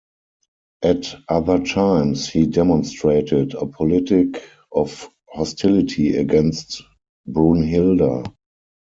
At other times, he demonstrated a politic of hostility against Brunhilda.